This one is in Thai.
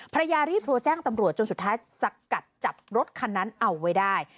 ภรรยารีบโทรแจ้งตำรวจจนสุดท้ายสกัดจับรถคันนั้นเอาไว้ได้